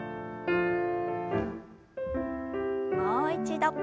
もう一度。